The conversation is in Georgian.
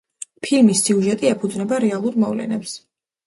ფილმის სიუჟეტი ეფუძნება რეალურ მოვლენებს.